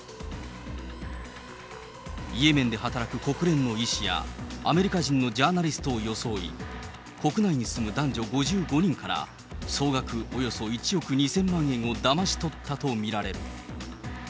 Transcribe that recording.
イエメンで働く国連の医師や、アメリカ人のジャーナリストを装い、国内に住む男女５５人から、総額およそ１億２０００万円をだまし取ったと見られる。